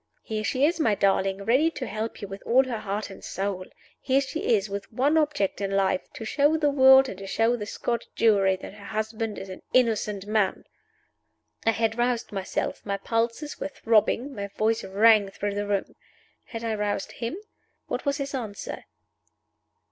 Here she is, my darling, ready to help you with all her heart and soul. Here she is, with one object in life to show the world and to show the Scotch Jury that her husband is an innocent man!" I had roused myself; my pulses were throbbing, my voice rang through the room. Had I roused him? What was his answer?